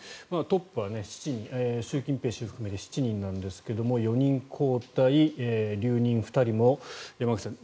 トップは習近平氏含めて７人なんですが４人交代、留任２人も山口さん